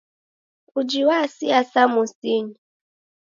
Uji wasia samosinyi.